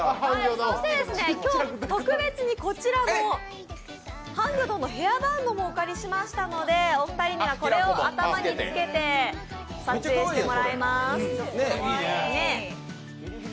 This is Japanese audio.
そして今日特別にこちらのハンギョドンのヘアバンドもお借りしましたのでお二人には、これを頭につけて撮影してもらいます。